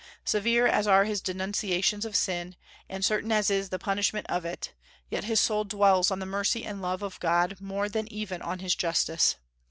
Severe as are his denunciations of sin, and certain as is the punishment of it, yet his soul dwells on the mercy and love of God more than even on His justice.